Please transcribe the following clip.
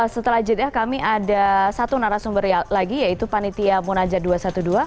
setelah jeda kami ada satu narasumber lagi yaitu panitia munajat dua ratus dua belas